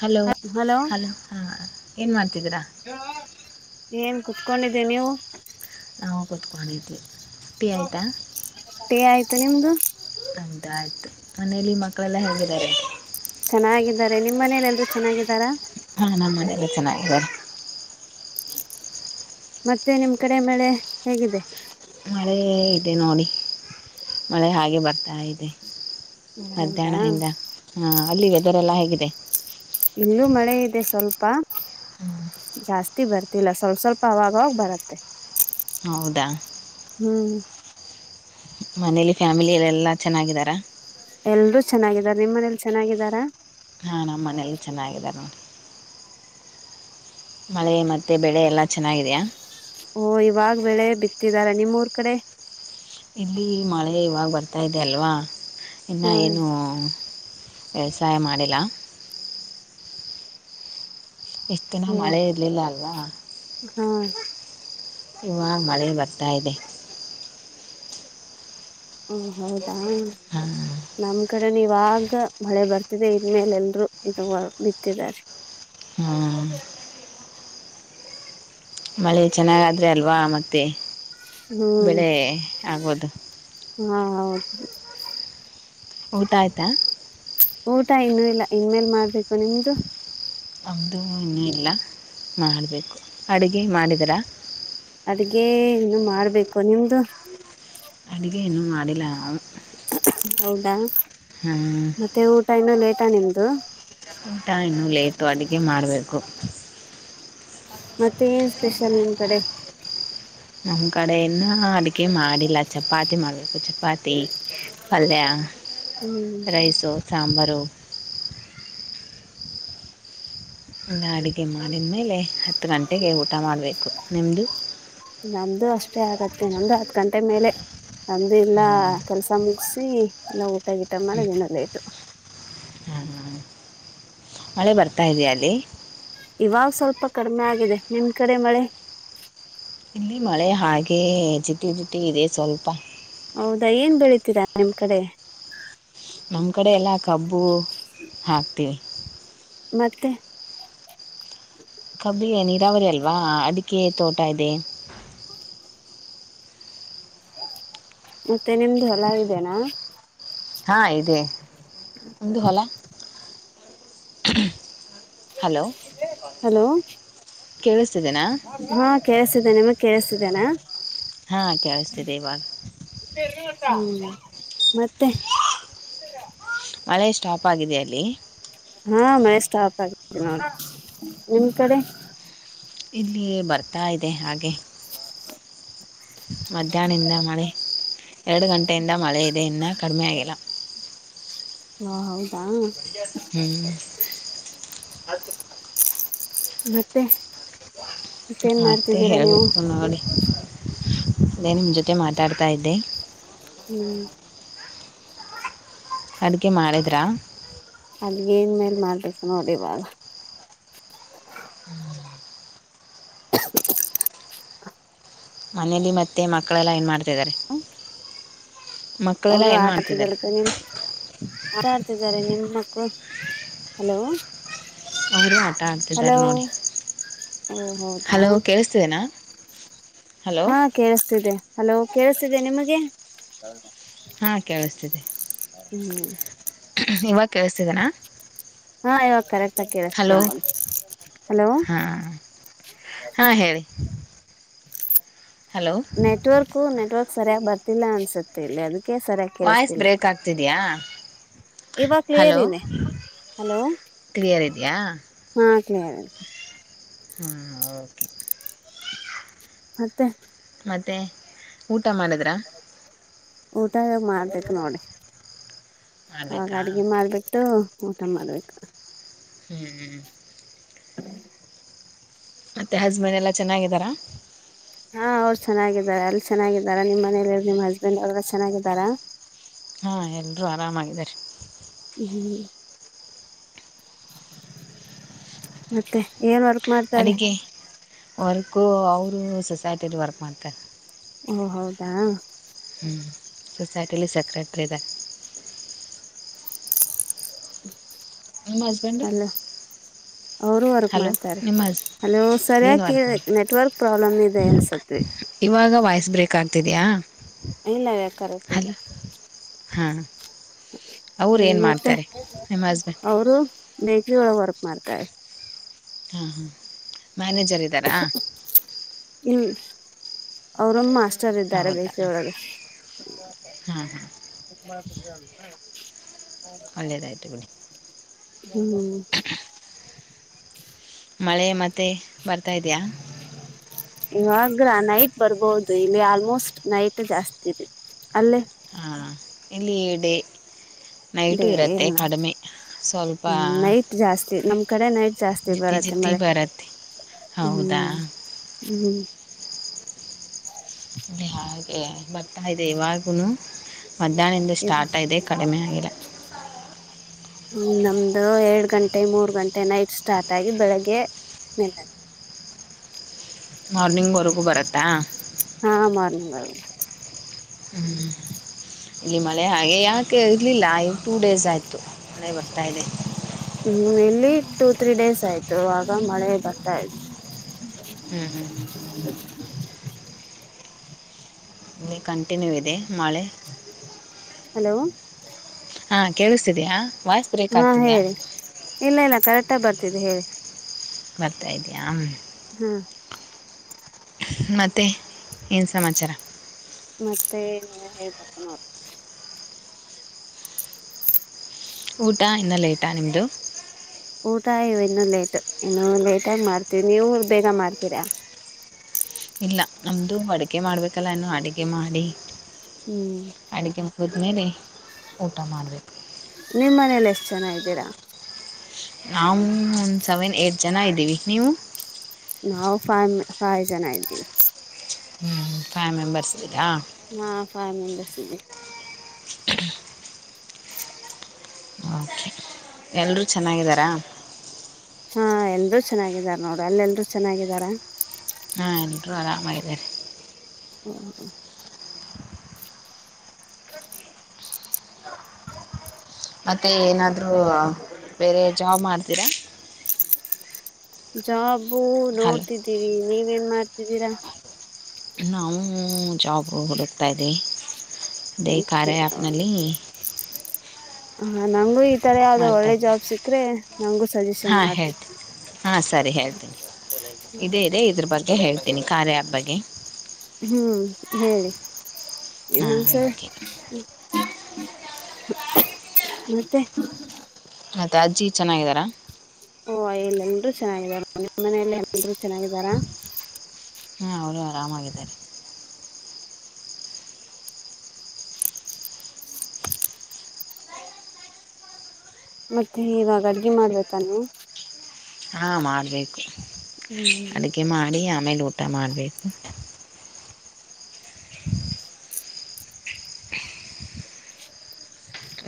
Hello ಹ hello ಹಲ ಹ ಏನ್ ಮಾಡ್ತಿದೀರಾ. ಏನ್ ಕುತ್ಕೊಂಡಿದ್ದೀ ನೀವು. ನಾವು ಕತ್ಕೊಂಡಿದ್ವಿ. ಟೀ ಆಯ್ತು ನಿಮ್ದು. ನಮ್ದೂ ಆಯ್ತು ಮನೇಲಿ ಮಕ್ಕಳೆಲ್ಲಾ ಹೇಗಿದ್ದಾರೆ. ಚೆನ್ನಾಗಿದ್ದಾರೆ ನಿಮ್ಮ್ ಮನೇಲೆ ಎಲ್ಲರು ಚೆನ್ನಾಗಿದ್ದಾರಾ. ಹಾ ನಮ್ಮನೆಯಲ್ಲಿ ಎಲ್ಲಾರು ಚೆನ್ನಾಗಿದ್ದಾರೆ. ಮತ್ತೆ ನಿಮ್ ಕಡೆ ಮಳೆ ಹೇಗಿದೆ. ಮಳೆ ಇದೆ ನೋಡಿ ಮಳೆ ಹಾಗೆ ಬರ್ತಾ ಇದೆ. ಹೌದಾ ಮಧ್ಯಾಹ್ನದಿಂದ ಹ ಅಲ್ಲಿ ವೇದರ್ ಎಲ್ಲಾ ಹೇಗಿದೆ. ಇಲ್ಲೂ ಮಳೆ ಇದೆ ಸ್ವಲ್ಪ. ಜಾಸ್ತಿ ಬರ್ತಿಲ್ಲ ಸ್ವಲ್ಪ ಸ್ವಲ್ಪ ಅವಾಗವಾಗ ಬರುತ್ತೆ. ಹೌದಾ ಹ್ಮ್ ಮನೇಲಿ ಫ್ಯಾಮಿಲಿ ಎಲ್ಲಾ ಚೆನ್ನಾಗಿದಾರ. ಎಲ್ರೂ ಚೆನ್ನಾಗಿದ್ದಾರೆ ನಿಮ್ಮ ಮನೇಲಿ ಚೆನ್ನಾಗಿದ್ದಾರಾ. ಮನೆಯಲ್ಲಿ ಚೆನ್ನಾಗಿದ್ದಾರೆ ನೋಡಿ. ಮಳೆ ಮತ್ತೆ ಬೆಳೆ ಎಲ್ಲಾ ಚೆನ್ನಾಗಿದಿಯಾ. ಓ ಇವಾಗ್ ಬೆಳೆ ಬಿತ್ತಿದಾರೆ ನಿಮ್ಮೂರ್ ಕಡೆ ಇಲ್ಲಿ ಮಳೆ ಇವಾಗ ಬರ್ತಾ ಇದೆ ಅಲ್ವಾ ಇನ್ನ ಹ ಏನೂ ವ್ಯವಸಾಯ ಮಾಡಿಲ್ಲ. ಇಷ್ಟು ದಿನ ಓ ಮಳೆ ಇರಲಿಲ್ಲ ಅಲ್ವಾ ಹಾ ಇವಾಗ ಮಳೆ ಬರ್ತಾ ಇದೆ. ಓ ಹೌದಾ ಹ ನಮ್ ಕಡೆ ಇವಾಗ ಮಳೆ ಬರ್ತಿದೆ ಇನ್ ಮೇಲೆ ಎಲ್ರರು ಇದು ಬಿತ್ತಿದಿದ್ದಾರೆ. ಹ್ಮ್ ಮಳೆ ಚೆನ್ನಾಗಾದ್ರೆ ಅಲ್ವಾ ಮತ್ತೆ ಬೆಳೆ ಆಗೋದು. ಹ್ಮ್ ಹೌದ್ ಊಟ ಆಯ್ತಾ. ಊಟ ಇನ್ನೂ ಇಲ್ಲ ಇನ್ ಮೇಲ್ ಮಾಡ್ಬೇಕು ನಿಮ್ದು. ನಮ್ದೂ ಇನ್ನೂ ಇಲ್ಲ ಮಾಡಬೇಕು ಅಡುಗೆ ಮಾಡಿದ್ರ. ಅಡ್ಗೆ ಇನ್ನು ಮಾಡ್ಬೇಕು ನಿಮ್ದು. ಅಡುಗೆ ಇನ್ನು ಮಾಡಿಲ್ಲ ನಾನು. ಹೌದಾ ಹ್ಮ್ ಮತ್ತೆ ಊಟ ಇನ್ನೂ ಲೇಟಾ ನಿಮ್ದು. ಊಟ ಇನ್ನೂ ಲೇಟು ಅದಕ್ಕೆ ಮಾಡ್ಬೇಕು. ಮತ್ತೆ ಏನ್ ಸ್ಪೆಷಲ್ ನಿಮ್ ಕಡೆ. ನಮ್ ಕಡೆ ಇನ್ನೂ ಅಡಿಗೆ ಮಾಡಿಲ್ಲ ಚಪಾತಿ ಮಾಡ್ಬೇಕು ಚಪಾತಿ ಪಲ್ಯ ಹ್ಮ್ ರೈಸು ಸಾಂಬಾರು. ಇನ್ನೂ ಅಡಿಗೆ ಮಾಡಿದ್ ಮೇಲೆ ಹತ್ತು ಗಂಟೆಗೆ ಊಟ ಮಾಡಬೇಕು ನಿಮ್ಮದು. ನನ್ನದು ಅಷ್ಟೇ ಆಗುತ್ತೆ ನನ್ನದು ಹತ್ ಗಂಟೆ ಮೇಲೆ. ನಮ್ದು ಇಲ್ಲ ಹ್ಮ್ ಕೆಲಸ ಮುಗಿಸಿ ಎಲ್ಲಾ ಊಟ ಗಿಟ ಮಾಡೋದ್ ಇನ್ನ ಲೇಟು ಹ ಮಳೆ ಬರ್ತಾ ಇದಿಯಾ ಅಲ್ಲಿ ಇವಾಗ ಸ್ವಲ್ಪ ಕಡಿಮೆ ಆಗಿದೆ ನಿಮ್ ಕಡೆ ಮಳೆ. ಇಲ್ಲಿ ಮಳೆ ಹಾಗೆ ಜಿಟಿ ಜಿಟಿ ಇದೆ ಸ್ವಲ್ಪ. ಹೌದಾ ಏನ್ ಬೆಳಿತೀರಾ ನಿಮ್ ಕಡೆ. ನಮ್ಮ ಕಡೆ ಎಲ್ಲ ಕಬ್ಬು ಹಾಕ್ತಿವಿ. ಮತ್ತೆ ಕಬ್ಬಿಯ ನೀರಾವರಿ ಅಲ್ವಾ ಅದಕ್ಕೆೆ ತೋಟ ಇದೆ. ಮತ್ತೆ ನಿಮ್ದು ಹೊಲ ಇದೇನಾ. ಹಾ ಇದೆ ನಿಮ್ದು ಹೊಲ. ಹಲೋ ಹಲೋ ಕೇಳಿಸ್ತಿದೆನಾ. ಹಾ ಕೇಳಿಸ್ತಿದೆ ನಿಮಗ್ ಕೇಳ್ಸಿದ್ದೇನಾ. ಹಾ ಕೇಳಿಸ್ತಿದೆ ಈವಾಗ [unintelligible] ಹೂ ಮತ್ತೆ ಮಳೆ ಸ್ಟಾಪ್ ಆಗಿದೆ ಅಲ್ಲಿ. ಹಾ ಮಳೆ ಸ್ಟಾಪ್ [unintelligible] ನಿಮ್ ಕಡೆ. ಇಲ್ಲಿ ಬರ್ತಾ ಇದೆ ಹಾಗೆ. ಮಧ್ಯಾಹ್ನಿಂದ ಮಳೆ ಎರಡು ಗಂಟೆಯಿಂದ ಮಳೆ ಇದೆ ಇನ್ನ ಕಡಿಮೆ ಆಗಿಲ್ಲ. ಹ ಹೌದಾ. ಹ್ಮ್ [unintelligible] ಮತ್ತೆ. ಮತ್ತೇನ್ ಮತ್ತೆ ಮಾಡ್ತಿದ್ದೀರಾ ನೀವು ಹೇಳೇಬೇಕು ನೋಡಿ ಅದೇ ನಿಮ್ಮ ಜೊತೆ ಮಾತಾಡ್ತಾ ಇದ್ದೆ. ಹೂ ಅಡುಗೆ ಮಾಡಿದ್ರಾ. ಅಲ್ಲಿ ಏನ್ ಮೇಲ್ ಮಾಡ್ಬೇಕು ನೋಡಿವಾಗ. [unintelligible] ಮನೇಲಿ ಮತ್ತೆ ಮಕ್ಕಳೆಲ್ಲ ಏನ್ ಮಾಡ್ತಿದ್ದಾರೆ. ಮಕ್ಕಳೆಲ್ಲಾ ಅವರು ಏನ್ ಆಟ ಮಾಡ್ತಿದ್ದಾರೆ [unintelligible] ನೀನು. ಆಟ ಆಡ್ತಿದಾರೆ ನಿಮ್ಮ ಮಕ್ಕಳು ಹಲೋ. ಅವರು ಆಟ ಹಲೋ ಆಡ್ತಿದ್ದಾರೆ ನೋಡಿ. ಓ ಹೌದಾ ಹಲೋ ಕೇಳ್ತಿದ್ದೇನಾ. ಹಾ ಕೇಳಿಸ್ತಿದೆ ಹಲೋ ಕೇಳಿಸಸ್ತಿದೆ ನಿಮಗೆ. ಹಾ ಕೇಳಿಸ್ತಿದೆ. ಹೂ ಇವಾಗ ಕೇಳಿಸ್ತಿದೆನಾ. ಆ ಇವಾಗ ಕರೆಕ್ಟ್ ಆಗಿ ಹಲೋ ಕೇಳಿಸ್ತಿದೆ ನೋಡಿ. ಹಲೋ ಹಾ ಹಾ ಹೇಳಿ. ಹಲೋ ನೆಟ್ವರ್ಕು ನೆಟ್ವರ್ಕ್ ಸರಿಯಾಗಿ ಬರ್ತಿಲ್ಲಾ ಅನ್ಸುತ್ತೆ ಇಲ್ಲಿ ಅದಕ್ಕೆ ಸರಿಯಾ ವಾಯ್ಸ್ ಬ್ರೇಕ್ ಆಗ್ತಿದ್ಯಾ. ಇವಾಗ ಕ್ಲಿಯರ್ ಹಲೋ ಇದೆ ಹಲೋ ಕ್ಲಿಯರ್ ಇದ್ಯಾ. ಹಾ [unintelligible] ಹಾ ಓಕೆ. ಮತ್ತೆ. ಮತ್ತೆ ಊಟ ಮಾಡಿದ್ರಾ. ಊಟ ಇವಾಗ ಮಾಡ್ಬೇಕು ನೋಡಿ ಇವಾಗ ಮಾಡ್ಬೇಕಾ ಅಡಗಿ ಮಾಡಬಿಟ್ಟು. ಊಟ ಮಾಡ್ಬೇಕು. ಹೂ ಮತ್ತೆ ಹಸ್ಬೆಂಡ್ ಎಲ್ಲ ಚೆನ್ನಾಗಿದ್ದಾರಾ. ಹಾ ಅವ್ರು ಚೆನ್ನಾಗಿದ್ದಾರೆ ಅಲ್ಲಿ ಚೆನ್ನಾಗಿದ್ದಾರ ನಿಮ್ ಮನೇಲಿರರು ನಿಮ್ ಹಸ್ಬೆಂಡ್ ಅವ್ರಗ ಚೆನ್ನಾಗಿದ್ದಾರಾ ಹಾ ಎಲ್ರೂ ಆರಾಮಾಗಿದ್ದಾರೆ ಹ್ಮ್ ಮತ್ತೆ ಏನ್ ವರ್ಕ್ ಮಾಡ್ತಾರೆ ಅಡುಗೆ ವರ್ಕು ಅವರು ಸೊಸೈಟಿದ ವರ್ಕ್ ಮಾಡ್ತಾರೆ. ಓ ಹೌದಾ ಹ್ಞೂ ಸೊಸೈಟಿಲಿ ಸೆಕ್ಯೂರ್ಟರಿ ಇದಾರೆ. ನಿಮ್ಮ ಹಸ್ಬೆಂಡ್ ಅವರುೂ ವರ್ಕ್ ಮಾಡ್ತಾರೆ. ನಿಮ್ಮ ಹಸ್ ಹಲೋ ಏನು ಸರಿಯಕ ವರ್ಕ್ ಮಾಡ್ತಾರೆ ನೆಟ್ವರ್ಕ್ ಪ್ರಾಬ್ಲಮ್ ಇದೆ ಅನ್ಸತ್ರಿ ಇವಾಗ ವಾಯ್ಸ್ ಬ್ರೇಕ ಆಗ್ತಿದಿಯಾ ಇಲ್ಲ ಕರೆಕ್ಟ್ ಇದೆ ಹಲೋ ಹಾಂ ಅವರು ಏನು ಮತ್ತೆ ಮಾಡ್ತಾರೆ ನಿಮ್ಮ ಹಸ್ಬೆಂಡ್ ಅವರು ಬೇಕರಿ ಒಳಗೆ ವರ್ಕ್ ಮಾಡ್ತಾರೆ. ಹಾಂ ಹಾ ಮ್ಯಾನೇಜರ್ ಇದ್ದಾರಾ ಹ್ಮ್ ಅವ್ರಮ್ಮ ಮಾಸ್ಟ್ ಚರಿದ್ದಾರೆ ಹೌದಾ ಬೇಕರಿ ಒಳಗೆ ಹಾಂ ಹಾಂ ಒಳ್ಳೇದಯ್ತು ಬಿಡಿ ಹ್ಮ್ ಮಳೆ ಮತ್ತೆ ಬರ್ತಾ ಇದ್ಯಾ ಇವಾಗ ನೈಟ್ ಬರ್ಬಹದು ಇಲ್ಲಿ ಆಲ್ಮೋಸ್ಟ್ ನೈಟ್ ಜಾಸ್ತಿ ಇದೆ ಅಲ್ಲೇ. ಹಾ ಇಲ್ಲಿ ಡೇ ನೈಟು ಡೇ ಇರುತ್ತೆ ಇಲ್ಲ ಕಡಿಮೆ ಸ್ವಲ್ಪ ಹ್ಮ್ ನೈಟ್ ಜಾಸ್ತಿ ನಮ್ ಕಡೆ ನೈಟ್ ಜಾಸ್ತಿ ಜಿಟಿ ಬರುತ್ತೆ ಜಿಟಿ ಮಳೆ ಬರುತ್ತೆ ಹೌದಾ ಹ್ಮ್ ಹ್ಮ್ ಇಲ್ಲಿ ಹಾಗೆ ಬರ್ತ ಇದೆ ಇವಾಗನು ಮಧ್ಯಾಹ್ನಿಂದ ಇ ಸ್ಟಾರ್ಟ್ ಇದೆ ಕಡಿಮೆ ಆಗಿಲ್ಲ. ಹ್ಮ ನಮ್ದು ಎರಡ್ ಗಂಟೆ ಮೂರ್ ಗಂಟೆ ನೈಟ್ ಸ್ಟಾರ್ಟ್ ಆಗಿ ಬೆಳಿಗ್ಗೆ ನಿಲ್ಲುತ್ತೆ ಮಾರ್ನಿಂಗ್ ವರೆಗೂ ಬರತ್ತಾ. ಹಾ ಮಾರ್ನಿಂಗ್ ಬರ್ ಹ್ಮ್ ಇಲ್ಲಿ ಮಳೆ ಹಾಗೆ ಯಾಕೆ ಇರಲಿಲ್ಲ ಇದು ಟೂ ಡೇಸ್ ಆಯಿತು ಮಳೆ ಬರ್ತಾ ಇದೆ. ಹ್ಮ್ ಇಲ್ಲಿ ಟೂ ತ್ರೀ ಡೇಸ್ ಆಯ್ತು ಈವಾಗ್ ಮಳೆ ಬರ್ತಾ ಇತ್ ಹ್ಮ್ ಹ್ಮ್ ಹ್ಮ್ ಇಲ್ಲಿ ಕಂಟಿನ್ಯೂ ಇದೆ ಮಳೆ. ಹಲೋ ಹಾಂ ಕೆಳಸತಿದಿಯ ಹಾ ಹೇಳಿ ಇಲ್ಲ ಇಲ್ಲ ಕರೆಕ್ಟ್ಗ ಬರ್ತಿದೆ ಹೇಳಿ. ಬರ್ತಾ ಇದೆಯಾ. ಹ್ಮ್ ಮತ್ತೆ ಏನು ಸಮಾಚಾರ ಮತ್ತೆ ನೀವೆ ಹೇಳ್ಬೇಕ ನೋಡ್ [inaudible] ಊಟ ಇನ್ನ ಲೇಟಾ ನಿಮ್ದು ಊಟ ಇವ್ ಇನ್ನು ಲೇಟ್ ಇನ್ನು ಲೇಟಾಗಿ ಮಾಡ್ತೀವಿ ನೀವು ಬೇಗ ಮಾಡ್ತೀರಾ. ಇಲ್ಲ ನಮ್ದು ಅಡುಗೆೆ ಮಾಡ್ಬೇಕಲ್ಲ ಇನ್ನು ಅಡಗೆ ಮಾಡಿ ಹ್ಮ್ ಅಡುಗೆ ಮುಗಿದ್ಮೇಲೆ ಊಟ ಮಾಡಬೇಕು. ನಿಮ್ಮ್ ಮನೇಲಿ ಎಷ್ಟು ಜನ ಇದ್ದೀರಾ ನಾವು ಒಂದು ಸೆವೆನ್ ಏಟ್ ಜನ ಇದ್ದೀವಿ ನೀವು. ನಾವು ಫೈ ಫೈವ್ ಜನ ಇದ್ದೀವಿ. ಹ್ಮ್ ಹ್ಮ್ ಫೈವ್ ಮೆಂಬರ್ಸ್ ಇದೀರಾ. ಹಾ ಫೈವ್ ಮೆಂಬರ್ಸ್ ಇದ್ದೀವಿ. ಮ್ಮ್ [unintelligible] ಹ್ಮ್ [unintelligible] ಓಕೆ ಎಲ್ಲರೂ ಚೆನ್ನಾಗಿದ್ದಾರಾ. ಹಾ ಎಲ್ಲಾರು ಚೆನ್ನಾಗಿದಾರ್ ನೋಡು ಅಲ್ಲಿ ಎಲ್ರೂ ಚೆನ್ನಾಗಿದಾರ. ಹಾ ಎಲ್ಲರೂ ಆರಾಮಾಗಿ ಇದ್ದಾರೆ. ಹೊ ಹೊ ಮತ್ತೆ ಏನಾದ್ರು ಬೇರೆ ಜಾಬ್ ಮಾಡ್ತೀರಾ. ಜಾಬು ಹಲೋ ನೋಡ್ತಿದ್ದೀವಿ ನೀವೇನ್ ಮಾಡ್ತಿದ್ದೀರಾ. ನಾವು ಜಾಬ್ ಹುಡುಕ್ತಾಯ್ದೀವಿ ಇದೇ ಕಾರ್ಯ ಆ್ಯಪ್ನಲ್ಲಿ ಹ ನಂಗೂ ಈ ತರ ಯಾವ್ದೋ ಒಳ್ಳೆ ಜಾಬ್ ಸಿಕ್ಕ್ರೆ ನಂಗು ಹಾ ಹೇಳ್ತೀನಿ ಹಾ ಸರಿ ಹೇಳ್ತೀನಿ ಇದೇ ಇದೆ ಇದ್ರ ಬಗ್ಗ್ ಗೆ ಹೇಳ್ತೀನಿ ಕಾರ್ಯ ಆಪ್ ಬಗ್ಗೆ. ಹ್ಮ್ ಹೇಳಿ ಹಾಂ ಇನ್ನೊಂದ್ಸರಿ ಓಕೆ ಹ್ ಮತ್ತೆ ಮತ್ತೆ ಅಜ್ಜಿ ಚೆನ್ನಾಗಿದ್ದಾರಾ. ಓಹೊ ಇಲ್ಲಿ ಎಲ್ರೂ ಚೆನ್ನಾಗಿದಾರ ನಿಮ್ಮ ಮನೆಯಲ್ಲಿ ಎಲ್ರೂ ಚೆನ್ನಾಗಿದಾರಾ. ಹ್ಮ ಅವರು ಆರಾಮಾಗಿದ್ದಾರೆ. ಮತ್ತೆ ಇವಾಗ ಅಡುಗೆ ಮಾಡಬೇಕ ನೀವು. ಹಾ ಮಾಡಬೇಕು ಹ್ಮ್ ಅಡುಗೆೆ ಮಾಡಿ ಆಮೇಲೆ ಊಟ ಮಾಡಬೇಕು. [unintelligible]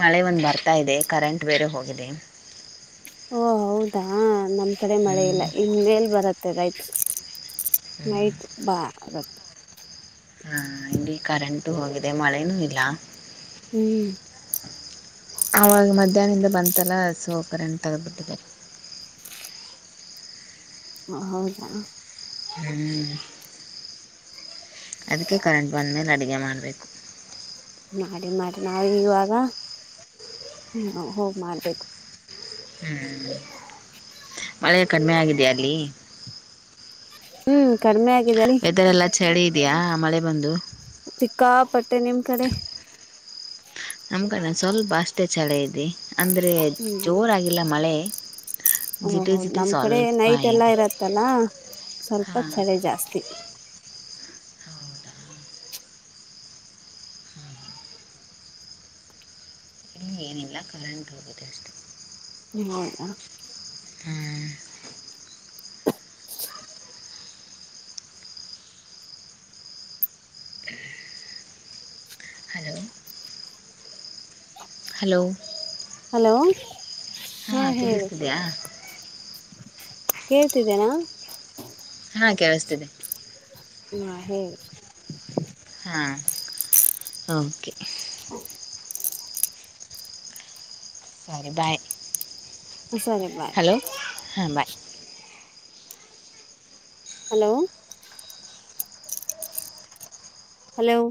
ಮಳೆ ಒಂದು ಬರ್ತಾ ಇದೆ ಕರೆಂಟ್ ಬೇರೆ ಹೋಗಿದೆ. ಓ ಹೌದಾ ನಮ್ ಕಡೆ ಹ್ಞೂ ಮಳೆ ಇಲ್ಲ ಇಮೇಲ್ ಬರತ್ತೆ ಗಾಯ್ತು. ನೈಟ್ ಬಾ ರ ಹಾ ಇಲ್ಲಿ ಕರೆಂಟು ಹೋಗಿದೆ ಮಳೆನೂ ಇಲ್ಲ. ಹ್ಮ್ ಆವಾಗ ಮಧ್ಯಾಹ್ನದಿಂದ ಬಂತಲ್ಲ ಸೋ ಕರೆಂಟ್ ತೆೆಗೆದ್ಬಿಟ್ಟಿದ್ದಾರೆ. ಹ ಹೌದಾ ಹ್ಮ್ ಅದಕ್ಕೆ ಕರೆಂಟ್ ಬಂದ ಮೇಲೆ ಅಡುಗೆ ಮಾಡ್ಬೇಕು. ಮಾಡಿ ಮಾಡಿ ನಾವ್ ಇವಾಗ ಹೋಗ್ ಮಾಡ್ಬೇಕು. ಹ್ಮ್ [unintelligible] ಮಳೆ ಕಡಿಮೆ ಆಗಿದೆಯಾ ಅಲ್ಲಿ. ಹ್ಮ್ ಕಡಿಮೆ ಆಗಿದ್ದ್ ಎಲ್ಲಾ ಚಳಿ ಇದ್ದೀಯಾ ಮಳೆ ಬಂದು. ಚಿಕ್ಕಾಪಟ್ಟೆ ನಿಮ್ ಕಡೆ. ನಮ್ಮ ಕಡೆ ಸ್ವಲ್ಪ ಅಷ್ಟೇ ಚಳ ಇದೆ ಅಂದರೆ ಹ್ಮ್ ಜೋರಾಗಿಲ್ಲ ಮಳೆ. ಓ ಜಿಟಿ ಹ ಜಿಟಿ ನಮ್ ಕಡೆ ಸ್ವಲ್ಪ ನೈಟ್ ಎಲ್ಲ ಇದೆ ಇರತ್ತಲ್ಲ ಸ್ವಲ್ಪ ಹಾಂ ಚಳಿ ಜಾಸ್ತಿ. ಎಲ್ಲ ಕರೆಂಟ್ ಹೋಗುತ್ತೆ ಅಷ್ಟು. ಹ ಹೌದಾ. ಹ್ಮ್ [inaudible] ಹಲೋ ಹಲೋ ಹಲೋ ಹಾಂ ಹ್ಮ್.. ಹೇಳಿ ಕೇಳಿಸ್ತಿದೆಯಾ ಕೇಳ್ತಿದ್ದೇನಾ. ಹಾ ಕೇಳಿಸ್ತಿದೆ. ಹಾ ಹೇಳಿ. ಹಾಂ ಓಕೆ. ಸರಿ ಬಾಯ್ ಸರಿ ಬಾಯ್. ಹಲೋ ಹಾಂ ಬಾಯ್. Hello hello